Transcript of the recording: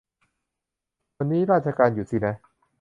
วันนี้ราชการหยุดสินะ